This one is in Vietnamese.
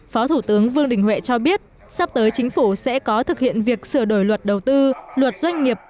phó thủ tướng vương đình huệ cho biết sắp tới chính phủ sẽ có thực hiện việc sửa đổi luật đầu tư luật doanh nghiệp